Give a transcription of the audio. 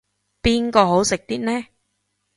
邊個好食啲呢